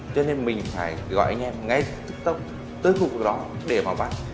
cho nên mình phải gọi anh em ngay tức tốc tới khu vực đó để mà bắt